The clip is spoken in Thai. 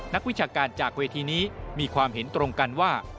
นักวิชาการจากเวทีนี้มีความเห็นตรงกันว่า